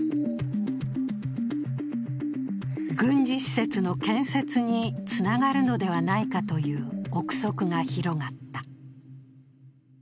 軍事施設の建設につながるのではないかという臆測が広がった。